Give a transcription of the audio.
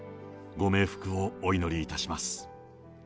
ご冥福をお祈りいたします。